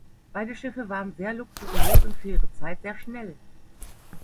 Beide Schiffe waren sehr luxuriös und für ihre Zeit sehr schnell.